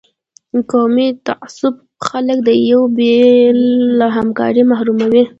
قومي تعصب خلک د یو بل له همکارۍ محروموي.